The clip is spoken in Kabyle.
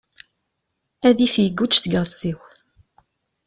Adif yegguğ seg yiɣes-iw.